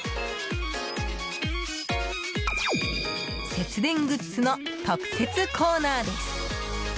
節電グッズの特設コーナーです。